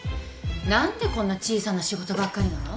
何でこんな小さな仕事ばっかりなの。